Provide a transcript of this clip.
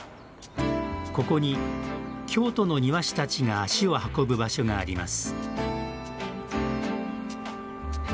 ここに、京都の庭師たちが足を運ぶ場所があります。